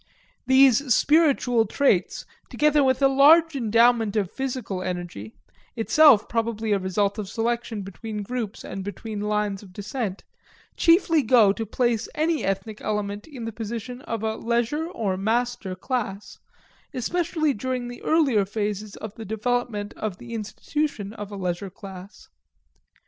These spiritual traits, together with a large endowment of physical energy itself probably a result of selection between groups and between lines of descent chiefly go to place any ethnic element in the position of a leisure or master class, especially during the earlier phases of the development of the institution of a leisure class.